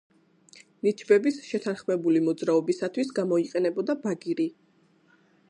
ნიჩბების შეთანხმებული მოძრაობისათვის გამოიყენებოდა ბაგირი.